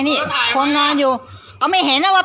วันที่สว่างนี้จอมสูงเป็นการปลอดภัย